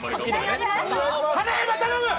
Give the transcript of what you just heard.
花山頼む！